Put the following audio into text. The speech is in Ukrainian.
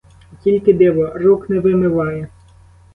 От тільки диво — рук не вимиває.